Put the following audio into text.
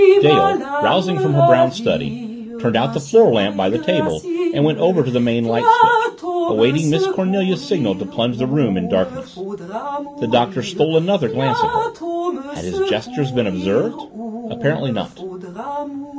Dale, rousing from her brown study, turned out the floor lamp by the table and went over to the main light switch, awaiting Miss Cornelia's signal to plunge the room in darkness. The Doctor stole, another glance at her had his gestures been observed? apparently not.